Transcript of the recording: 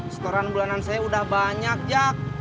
setoran bulanan saya udah banyak jak